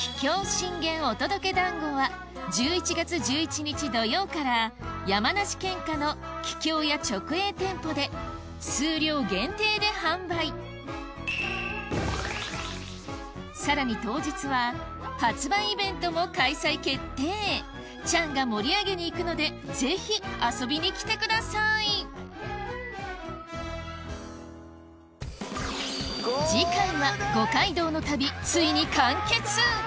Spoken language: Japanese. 信玄お届け団子は１１月１１日土曜から山梨県下の桔梗屋直営店舗で数量限定で販売さらに当日はチャンが盛り上げに行くのでぜひ遊びに来てください次回は五街道の旅ついに完結！